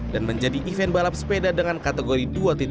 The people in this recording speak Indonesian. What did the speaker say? dan menjadi event balap sepeda dengan kategori dua satu